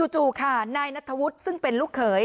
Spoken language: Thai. จู่ค่ะนายนัทธวุฒิซึ่งเป็นลูกเขย